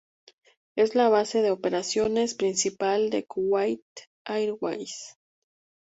Es la base de operaciones principal de Kuwait Airways.